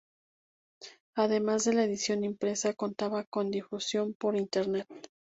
Además de la edición impresa, contaba con difusión por Internet.